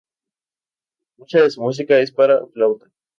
Mucha de su música es para flauta.